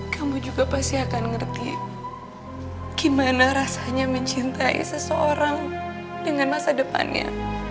kamu juga pasti akan ngerti gimana rasanya mencintai seseorang dengan masa depannya